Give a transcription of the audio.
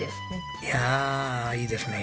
いやあいいですね。